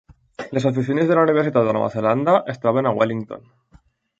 Les oficines de la universitat a Nova Zelanda es troben a Wellington.